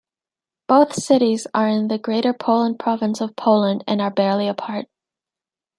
Both cities are in the Greater Poland province of Poland and are barely apart.